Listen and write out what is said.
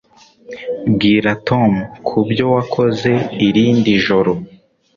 Bwira Tom kubyo wakoze irindi joro